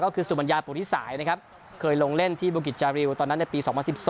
ก็คือสุบัญญาปุริสายนะครับเคยลงเล่นที่บุกิจจาริวตอนนั้นในปี๒๐๑๒